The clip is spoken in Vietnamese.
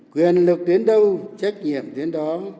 quyền lực đến đâu trách nhiệm đến đó